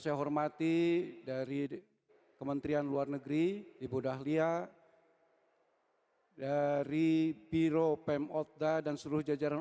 saya hormati dari kementerian luar negeri ibu dahlia dari biro pem otda dan seluruh jajaran